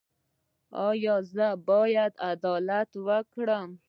ایا زه باید عدالت وکړم؟